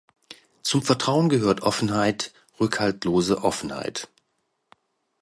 Zum Vertrauen gehört Offenheit, rückhaltlose Offenheit.